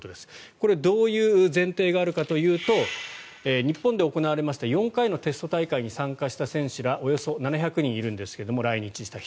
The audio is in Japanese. これ、どういう前提があるかというと日本で行われました４回のテスト大会に参加しました選手らおよそ７００人いるんですが来日した人。